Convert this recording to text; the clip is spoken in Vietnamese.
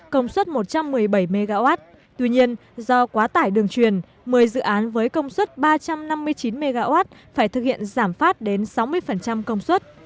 công suất một trăm một mươi bảy mw tuy nhiên do quá tải đường truyền một mươi dự án với công suất ba trăm năm mươi chín mw phải thực hiện giảm phát đến sáu mươi công suất